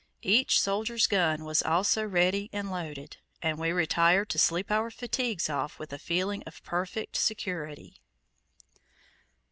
Each soldier's gun was also ready and loaded, and we retired to sleep our fatigues off with a feeling of perfect security.